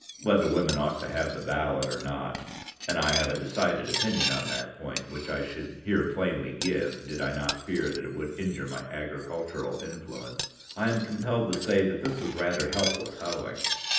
Whether women ought to have the ballot or not (and I have a decided opinion on that point, which I should here plainly give did I not fear that it would injure my agricultural influence), I am compelled to say that this was rather helpless hoeing.